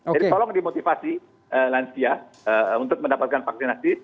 jadi tolong dimotivasi lansia untuk mendapatkan vaksinasi